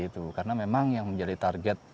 itu karena memang yang menjadi target